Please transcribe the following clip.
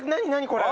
これ。